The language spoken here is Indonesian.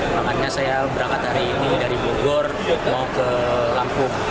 makanya saya berangkat hari ini dari bogor mau ke lampung